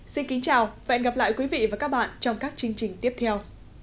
xin kính chào và hẹn gặp lại quý vị và các bạn trong các chương trình tiếp theo